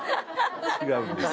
違うんです。